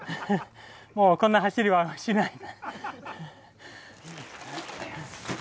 もうこんな走りはしない。